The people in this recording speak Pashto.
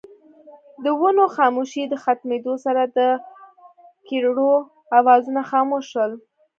د ونو خاموشۍ د ختمېدو سره دکيرړو اوازونه خاموش شول